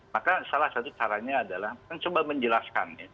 maka salah satu caranya adalah kan coba menjelaskan